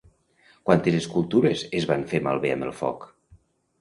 Quantes escultures es van fer malbé amb el foc?